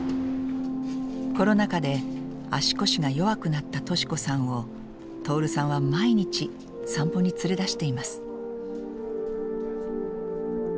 コロナ禍で足腰が弱くなった敏子さんを徹さんは毎日散歩に連れ出しています。